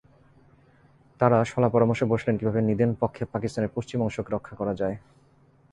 তাঁরা শলা-পরামর্শে বসলেন কীভাবে নিদেনপক্ষে পাকিস্তানের পশ্চিম অংশকে রক্ষা করা যায়।